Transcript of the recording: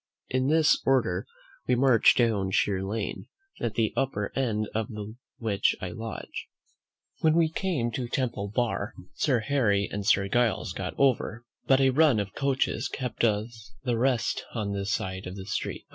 In this order we marched down Sheer Lane, at the upper end of which I lodge. When we came to Temple Bar, Sir Harry and Sir Giles got over, but a run of coaches kept the rest of us on this side the street.